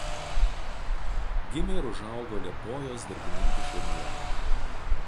Gimė ir užaugo Liepojos darbininkų šeimoje.